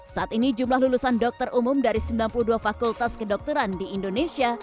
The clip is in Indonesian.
saat ini jumlah lulusan dokter umum dari sembilan puluh dua fakultas kedokteran di indonesia